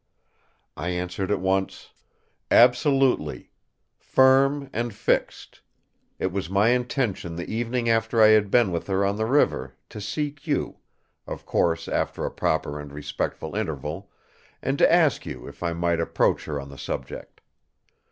I answered at once: "Absolutely! Firm and fixed; it was my intention the evening after I had been with her on the river, to seek you, of course after a proper and respectful interval, and to ask you if I might approach her on the subject.